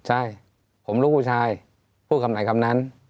ใช่ผมลูกผู้ชายพูดคำไหนคำนั้น